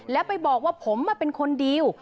แล้วไปบอกว่าผมเป็นคนดีล